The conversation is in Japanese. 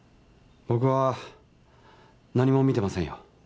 僕は何も見てませんよ。